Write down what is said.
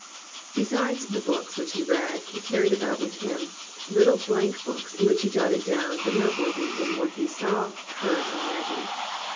Besides the books which he read, he carried about with him little blank books in which he jotted down the noteworthy in what he saw, heard, or imagined.